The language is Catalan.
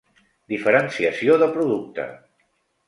Diferenciació de producte.